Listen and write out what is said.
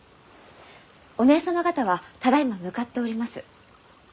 お姐様方はただいま向かっております。